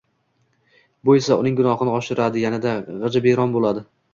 Bu esa, uning xunobini oshiradi, yanada jig`ibiyron bo`ladi